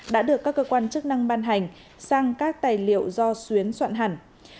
đã được các cơ quan chức năng ban hành sang các tài liệu do xuyến soạn hẳn